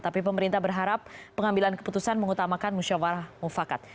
tapi pemerintah berharap pengambilan keputusan mengutamakan musyawarah mufakat